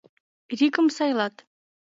РИКЫМ САЙЛАТ